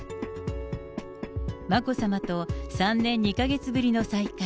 眞子さまと３年２か月ぶりの再会。